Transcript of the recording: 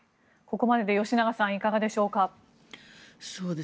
ここまでで吉永さんいかがでしょうか。